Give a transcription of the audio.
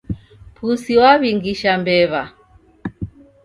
Pusi waw'ingisha mbew'a.